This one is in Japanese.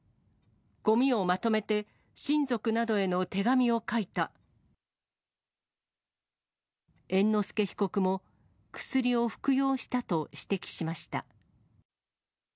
ごみをまとめて親族などへの手紙猿之助被告も薬を服用したと指摘しました。